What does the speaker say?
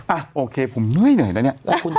โอเคผมเหนื่อยแล้วเนี่ย